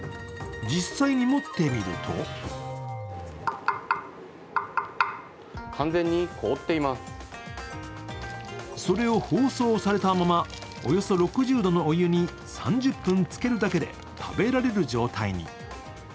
実際に持ってみるとそれを包装されたままおよそ６０度のお湯に３０分漬けるだけで、食べられる状態に。